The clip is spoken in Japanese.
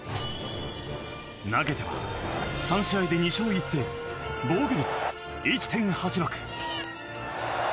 投げては３試合で２勝１セーブ防御率１．８６。